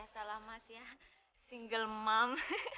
salah mas ya single mom